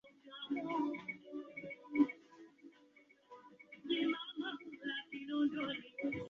The pipe organ sits at the back of the north aisle.